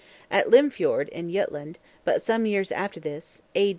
At Lymfjord, in Jutland, but some years after this (A.